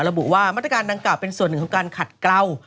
ระบุว่ามาตรการดังกล่าวเป็นส่วนหนึ่งของการขัดเกลา